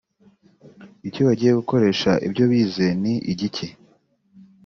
icyo bagiye gukoresha ibyo bize ni igiki